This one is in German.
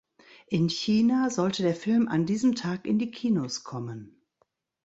In China sollte der Film an diesem Tag in die Kinos kommen.